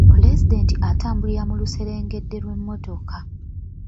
Pulezidenti atambulira mu luseregende lw'emmotoka.